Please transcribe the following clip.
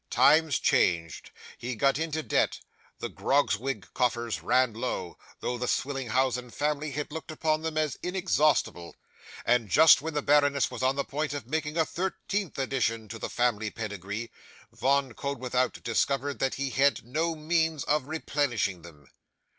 Times changed. He got into debt. The Grogzwig coffers ran low, though the Swillenhausen family had looked upon them as inexhaustible; and just when the baroness was on the point of making a thirteenth addition to the family pedigree, Von Koeldwethout discovered that he had no means of replenishing them.